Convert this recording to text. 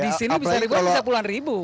di sini bisa libur bisa puluhan ribu